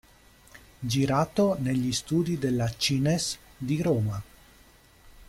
Girato negli studi della Cines di Roma.